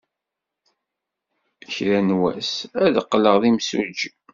Kra n wass, ad qqleɣ d imsujji.